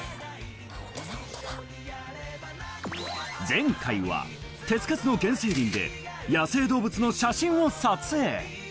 前回は手付かずの原生林で野生動物の写真を撮影。